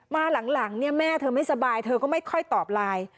มาหลังเนี่ยแม่เธอไม่สบายเธอก็ไม่ค่อยตอบไลน์